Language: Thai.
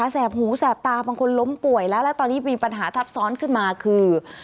แบหูแสบตาบางคนล้มป่วยแล้วแล้วตอนนี้มีปัญหาทับซ้อนขึ้นมาคือ